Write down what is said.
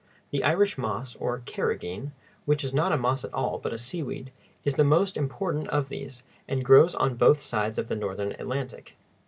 The Irish moss, or carrageen,—which is not a moss at all, but a seaweed,—is the most important of these, and grows on both sides of the northern Atlantic.